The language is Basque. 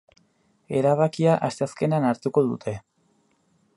Erabakia asteazkenean hartuko dute.